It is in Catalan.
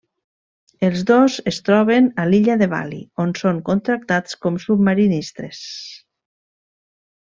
Els dos es troben a l'illa de Bali on són contractats com submarinistes.